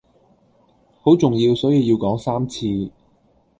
好重要所以要講三次